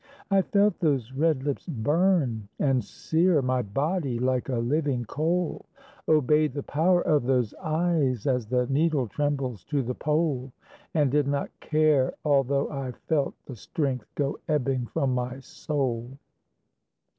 I felt those red lips burn and sear My body like a living coal; Obeyed the power of those eyes As the needle trembles to the pole; And did not care although I felt The strength go ebbing from my soul.